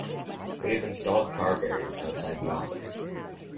We have installed car barriers outside the office.